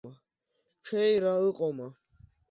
Ҽеира ыҟоума?